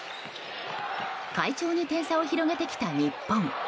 快調に点差を広げてきた日本。